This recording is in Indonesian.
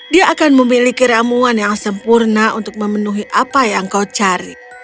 dia akan memiliki ramuan yang sempurna untuk memenuhi apa yang kau cari